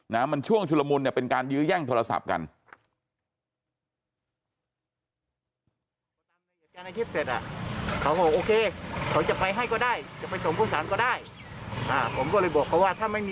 มันช่วงชุลมุนเนี่ยเป็นการยื้อแย่งโทรศัพท์กัน